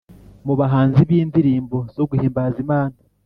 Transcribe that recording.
mu bahanzi b’indirimbo zo guhimbaza Imana